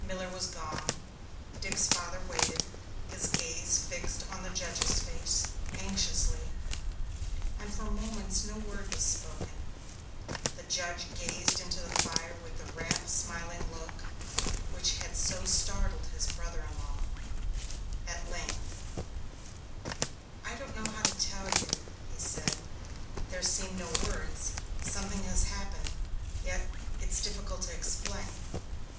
Miller was gone; Dick's father waited, his gaze fixed on the judge's face anxiously, and for moments no word was spoken. The judge gazed into the fire with the rapt, smiling look which had so startled his brother in law. At length: "I don't know how to tell you," he said. "There seem no words. Something has happened, yet it's difficult to explain."